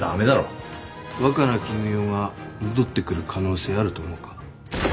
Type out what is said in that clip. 若菜絹代が戻ってくる可能性あると思うか？